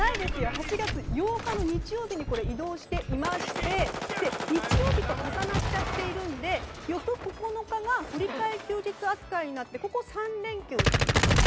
８月８日の日曜日に移動していまして日曜日と重なっているので翌９日が振り替え休日扱いになって３連休になります。